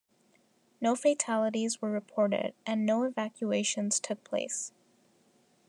No fatalities were reported, and no evacuations took place.